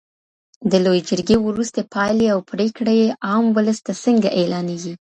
د لویې جرګي وروستۍ پايلي او پرېکړي عام ولس ته څنګه اعلانیږي؟